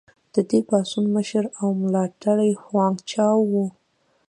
د دې پاڅون مشر او ملاتړی هوانګ چائو و.